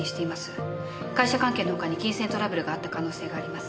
会社関係の他に金銭トラブルがあった可能性があります。